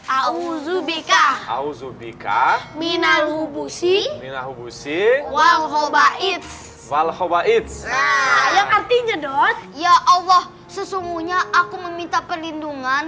auzubika auzubika minalubusi minalubusi walhubait walhubait yang artinya dos ya allah sesungguhnya aku meminta perlindungan